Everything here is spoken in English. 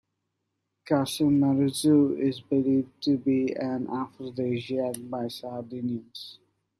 Casu marzu is believed to be an aphrodisiac by Sardinians.